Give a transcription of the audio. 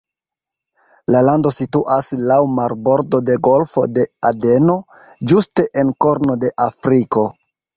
La lando situas laŭ marbordo de golfo de Adeno, ĝuste en korno de Afriko.